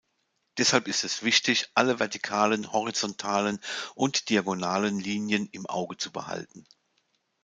Deshalb ist es wichtig, alle vertikalen, horizontalen und diagonalen Linien im Auge zu behalten.